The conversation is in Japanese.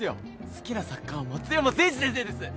好きな作家は松山せいじ先生です。